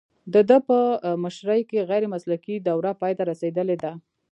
د ده په مشرۍ کې غیر مسلکي دوره پای ته رسیدلې ده